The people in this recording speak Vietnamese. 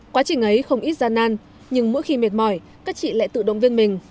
quá trình ấy không ít gian nan nhưng mỗi khi mệt mỏi các chị lại tự động viên mình